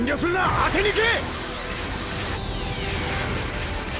当てにいけ！